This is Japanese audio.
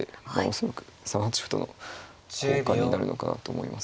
恐らく３八歩との交換になるのかなと思います。